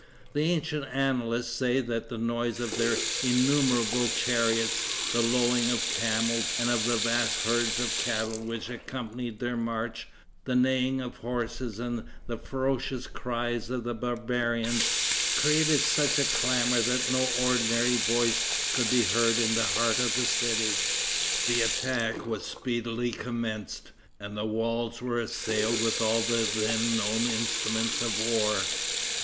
The ancient annalists say that the noise of their innumerable chariots, the lowing of camels and of the vast herds of cattle which accompanied their march, the neighing of horses and the ferocious cries of the barbarians, created such a clamor that no ordinary voice could be heard in the heart of the city. The attack was speedily commenced, and the walls were assailed with all the then known instruments of war.